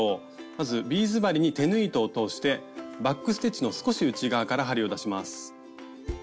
まずビーズ針に手縫い糸を通してバック・ステッチの少し内側から針を出します。